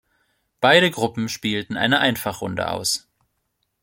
Beide Gruppen spielten eine Einfachrunde aus.